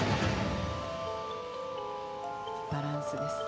バランスです。